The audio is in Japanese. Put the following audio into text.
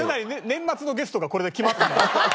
年末のゲストがこれで決まったの？